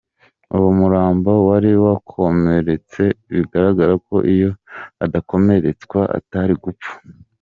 Uwo murambo wari wakomeretse, bigaragara ko iyo adakomeretswa atari gupfa.